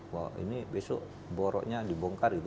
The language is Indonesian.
wah ini besok boroknya dibongkar gitu